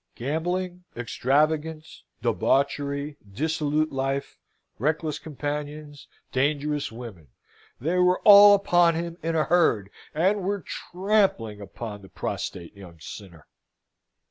Gambling, extravagance, debauchery, dissolute life, reckless companions, dangerous women they were all upon him in a herd, and were trampling upon the prostrate young sinner.